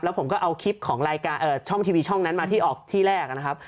ผมก็เอาคลิปของรายการช่องทีวีช่องนั้นมาที่ออกที่แรกนะครับ